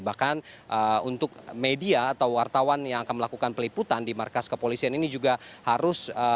bahkan untuk media atau wartawan yang akan melakukan peliputan di markas kepolisian ini juga harus